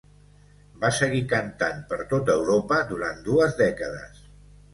Va seguir cantant per tot Europa durant dues dècades.